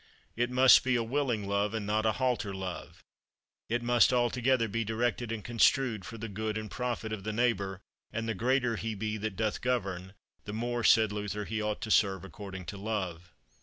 It must be a willing love, and not a halter love; it must altogether be directed and construed for the good and profit of the neighbour; and the greater he be that doth govern, the more, said Luther, he ought to serve according to love.